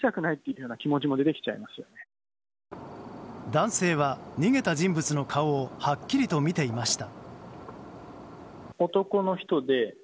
男性は、逃げた人物の顔をはっきりと見ていました。